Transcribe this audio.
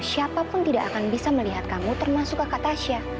siapapun tidak akan bisa melihat kamu termasuk kakak tasya